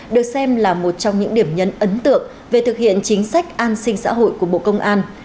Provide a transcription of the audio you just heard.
được xem là một trong những điểm nhấn ấn tượng về thực hiện chính sách an sinh xã hội của bộ công an